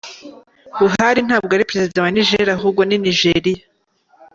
Buhari ntabwo ari president wa niger ahubwo ni nigeria.